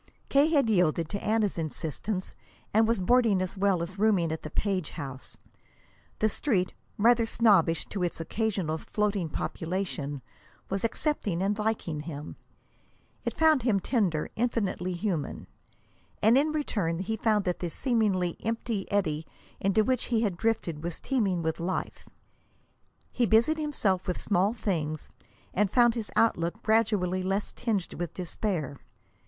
K. had yielded to Anna's insistence, and was boarding as well as rooming at the Page house. The Street, rather snobbish to its occasional floating population, was accepting and liking him. It found him tender, infinitely human. And in return he found that this seemingly empty eddy into which he had drifted was teeming with life. He busied himself with small things, and found his outlook gradually less tinged with despair.